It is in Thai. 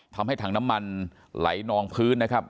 ทำให้ถังน้ำมันไหลนองพื้นนะครับ